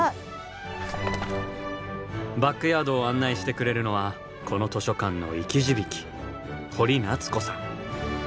バックヤードを案内してくれるのはこの図書館の生き字引堀奈津子さん。